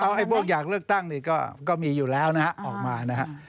เอาไอ้พวกอยากเลือกตั้งนี่ก็มีอยู่แล้วนะฮะออกมานะฮะ